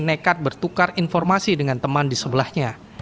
nekat bertukar informasi dengan teman di sebelahnya